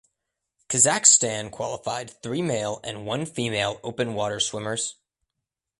Kazakhstan qualified three male and one female open water swimmers.